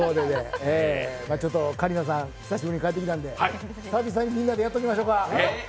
桂里奈さん帰ってきたので久々にみんなでやっておきましょうか。